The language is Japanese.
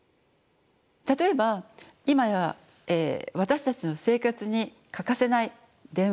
例えば今や私たちの生活に欠かせない電話です。